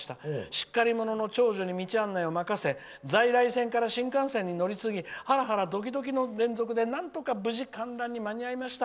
しっかり者の長女に道案内を任せ在来線から新幹線に乗り継ぎハラハラドキドキの連続でなんとか無事観覧に間に合いました。